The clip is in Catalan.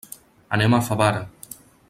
Anem a Favara.